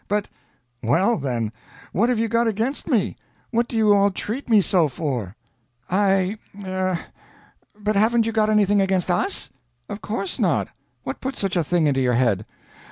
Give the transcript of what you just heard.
But " "Well, then, what have you got against me? What do you all treat me so for?" "I er but haven't you got anything against us?" "Of course not. What put such a thing into your head?"